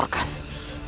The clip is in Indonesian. mereka harus dilaporkan